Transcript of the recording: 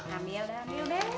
ambil deh ambil deh